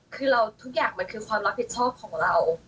คือเราทุกอย่างมันคือความรับผิดชอบของเรา